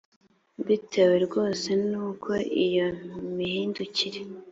bitewe rwose nuko iyo mihindukire